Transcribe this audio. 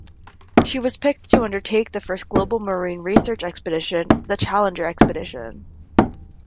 She was picked to undertake the first global marine research expedition: the "Challenger" expedition.